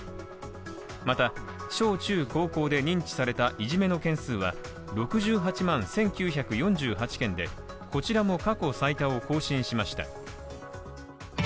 また小中高校で認知されたいじめの件数は６８万１９４８件でこちらも過去最多を更新しました。